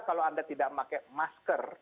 kalau anda tidak pakai masker